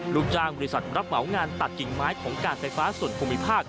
ลูกจ้างบริษัทรับเหมางานตัดกิ่งไม้ของการไฟฟ้าส่วนภูมิภาค